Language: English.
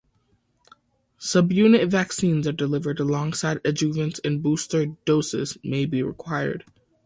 Subunit vaccines are delivered alongside adjuvants and booster doses may be required.